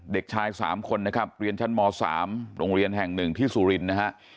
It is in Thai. เด็กชายสามคนนะครับเรียนชั้นม๓โรงเรียนแห่งหนึ่งที่สูรินนะฮะ